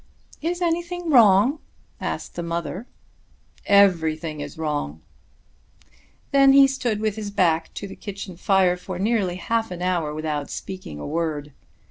"Is anything wrong?" asked the mother. "Everything is wrong." Then he stood with his back to the kitchen fire for nearly half an hour without speaking a word.